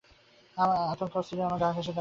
আতঙ্কে অস্থির হয়ে আমার গা ঘেষে দাঁড়াল।